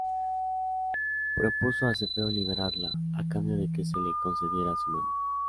Propuso a Cefeo liberarla, a cambio de que se le concediera su mano.